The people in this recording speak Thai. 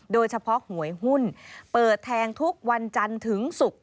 หวยหุ้นเปิดแทงทุกวันจันทร์ถึงศุกร์